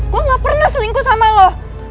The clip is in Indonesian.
gue gak pernah selingkuh sama lo